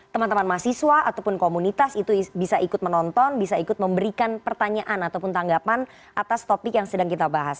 teman teman mahasiswa ataupun komunitas itu bisa ikut menonton bisa ikut memberikan pertanyaan ataupun tanggapan atas topik yang sedang kita bahas